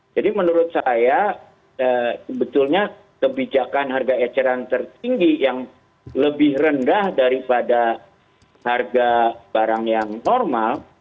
jadi menurut saya sebetulnya kebijakan harga eceran tertinggi yang lebih rendah daripada harga barang yang normal